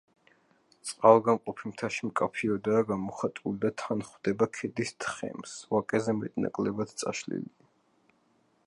წყალგამყოფი მთაში მკაფიოდაა გამოხატული და თანხვდება ქედის თხემს, ვაკეზე მეტ-ნაკლებად წაშლილია.